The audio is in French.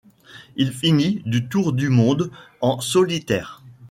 Il finit du tour du monde en solitaire.